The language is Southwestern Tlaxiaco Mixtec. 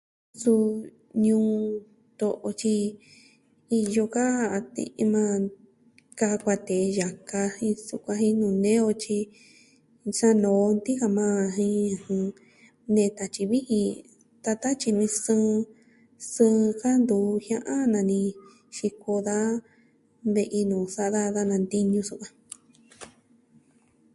Suu, ñuu to'o, tyi iyo ka a te'en majan, ka kuatee yaka jin sukuan jen nuu nee on tyi sa'a noo nti'in ka majan jen nee tatyi vijin da tatyi jen sɨɨn, sɨɨn ka ntuvi jia'an ja nanii xiko da ve'i nuu sa'a daja da nantiñu sukuan.